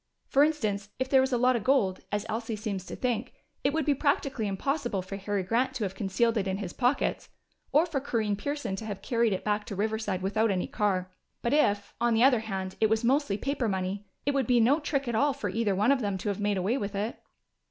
For instance, if there was a lot of gold, as Elsie seems to think, it would be practically impossible for Harry Grant to have concealed it in his pockets, or for Corinne Pearson to have carried it back to Riverside without any car. But if, on the other hand, it was mostly paper money, it would be no trick at all for either one of them to have made away with it."